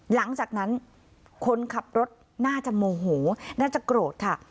หลังจากนั้นคนขับรถน่าจะโมโหน่าจะโกรธค่ะ